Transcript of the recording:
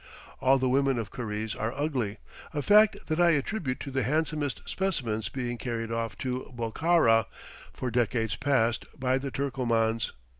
All the women of Karize are ugly; a fact that I attribute to the handsomest specimens being carried off to Bokhara, for decades past, by the Turkomans.